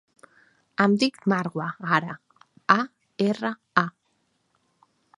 Em dic Marwa Ara: a, erra, a.